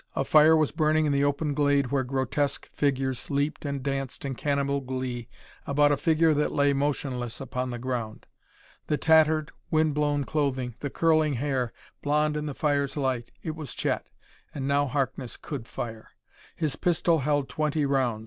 A fire was burning in the open glade where grotesque figures leaped and danced in cannibal glee about a figure that lay motionless upon the ground. The tattered, wind blown clothing the curling hair, blond in the fire's light it was Chet.... And now Harkness could fire. His pistol held twenty rounds.